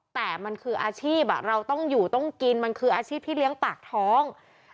แต่มันคืออาชีพเราต้องอยู่ต้องกินมันคืออาชีพพี่เลี้ยงปากท้อง